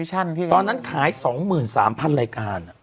ตอนนั้นขาย๒๓๐๐รายการ